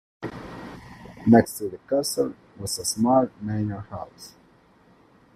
Next to the castle was a small manor house.